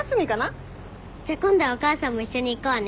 じゃあ今度はお母さんも一緒に行こうね。